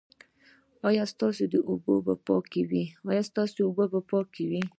ایا ستاسو اوبه به پاکې وي؟